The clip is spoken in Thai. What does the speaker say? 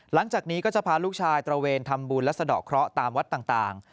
หลังจากนี้ก็จะพาลูกชายตระเวนทำบุญและสะดอกเคราะห์ตามวัดต่าง